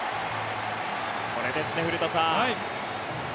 これですね、古田さん。